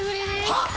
はっ！？